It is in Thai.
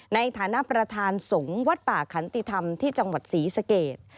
ในฐานะประธานสงฆ์วัดป่าขันติธรรมที่จังหวัดศรีสเกต